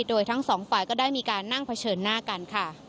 โดยทั้งสองฝ่ายก็ได้มีการนั่งเผชิญหน้ากันค่ะ